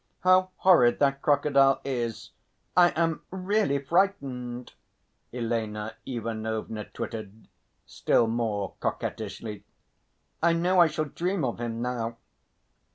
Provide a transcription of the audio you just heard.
"How horrid that crocodile is! I am really frightened," Elena Ivanovna twittered, still more coquettishly. "I know I shall dream of him now."